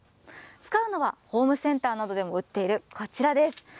使うのは、ホームセンターなどでも売っているこちらです。